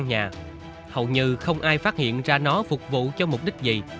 trong căn nhà hầu như không ai phát hiện ra nó phục vụ cho mục đích gì